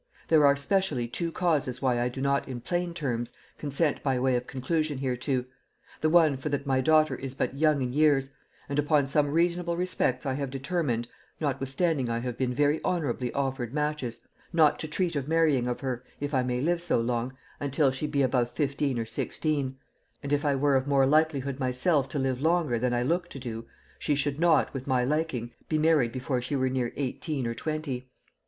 There are specially two causes why I do not in plain terms consent by way of conclusion hereto; the one for that my daughter is but young in years; and upon some reasonable respects I have determined, notwithstanding I have been very honorably offered matches, not to treat of marrying of her, if I may live so long, until she shall be above fifteen or sixteen; and if I were of more likelihood myself to live longer than I look to do, she should not, with my liking, be married before she were near eighteen or twenty.